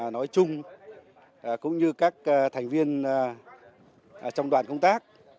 nói chung cũng như các thành viên trong đoàn công tác